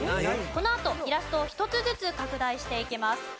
このあとイラストを１つずつ拡大していきます。